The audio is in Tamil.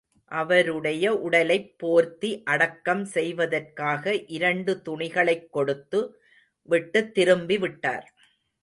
அவருடைய உடலைப் போர்த்தி அடக்கம் செய்வதற்காக இரண்டு துணிகளைக் கொடுத்து விட்டுத் திரும்பி விட்டார்.